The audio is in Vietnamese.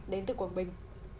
đến từ quảng bình